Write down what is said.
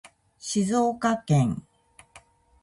静岡県